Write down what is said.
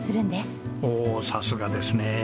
おおさすがですね！